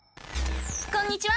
こんにちは！